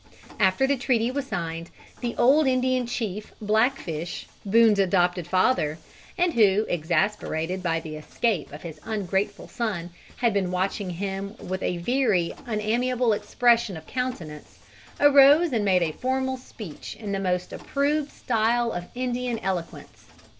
After the treaty was signed, the old Indian chief Blackfish, Boone's adopted father, and who, exasperated by the escape of his ungrateful son, had been watching him with a very unamiable expression of countenance, arose and made a formal speech in the most approved style of Indian eloquence.